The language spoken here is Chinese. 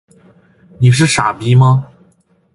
你是傻逼吗？